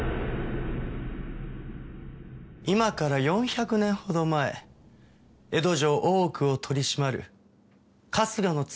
今から４００年ほど前江戸城大奥を取り締まる春日局という人がおりました。